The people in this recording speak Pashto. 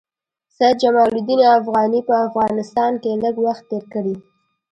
سید جمال الدین افغاني په افغانستان کې لږ وخت تېر کړی.